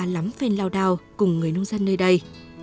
lắm phen lao đao cùng người nông dân nơi đây